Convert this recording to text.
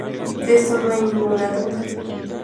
De eso no hay ninguna duda.